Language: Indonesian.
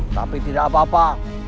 tapi tidak apa apa